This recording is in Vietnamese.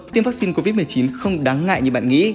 tiêm vắc xin covid một mươi chín không đáng ngại như bạn nghĩ